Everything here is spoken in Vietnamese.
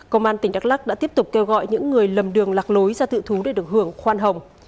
công an tỉnh đắk lắc đã tiếp tục kêu gọi những người lầm đường lạc lối ra tự thú để được hưởng khoan hồng